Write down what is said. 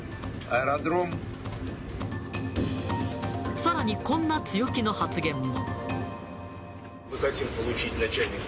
さらにこんな強気の発言も。